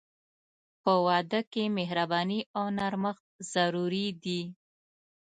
په واده کې مهرباني او نرمښت ضروري دي.